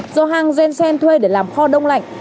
do hang jung sen thuê để làm kho đông lạnh